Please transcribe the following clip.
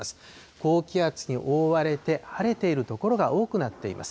高気圧に覆われて、晴れている所が多くなっています。